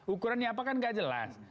ukurannya apa kan nggak jelas